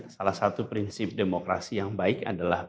salah satu prinsip demokrasi yang baik adalah